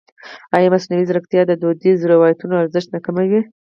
ایا مصنوعي ځیرکتیا د دودیزو روایتونو ارزښت نه کموي؟